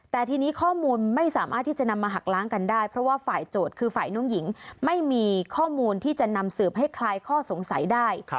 แต่ทีนี้ข้อมูลไม่สามารถที่จะนำมาหักล้างกันได้เพราะว่าฝ่ายโจทย์คือฝ่ายน้องหญิงไม่มีข้อมูลที่จะนำสืบให้คลายข้อสงสัยได้